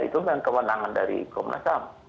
itu memang kewenangan dari komnas ham